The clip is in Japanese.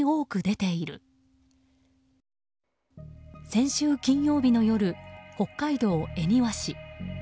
先週金曜日の夜、北海道恵庭市。